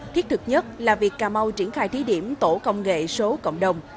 thiết thực nhất là việc cà mau triển khai thí điểm tổ công nghệ số cộng đồng